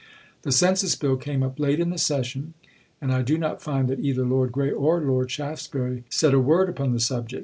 The Census Bill came up late in the session, and I do not find that either Lord Grey or Lord Shaftesbury said a word upon the subject.